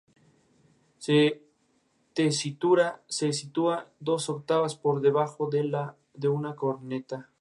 Su tesitura se sitúa dos octavas por debajo de la de una corneta.